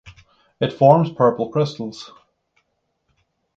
It forms purple crystals.